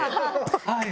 はい。